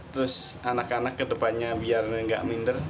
terus anak anak ke depannya biar gak minder